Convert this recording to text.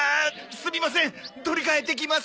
すみません取り換えてきます。